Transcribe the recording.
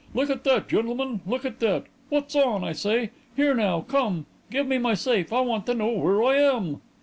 Look at that, gentlemen; look at that. What's on, I say? Here now, come; give me my safe. I want to know where I am."